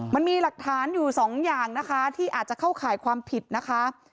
มันมีหลักฐานอยู่สองอย่างนะคะที่อาจจะเข้าข่ายความผิดนะคะ